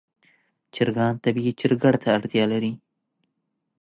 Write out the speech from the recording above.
چرګان طبیعي چرګړ ته اړتیا لري.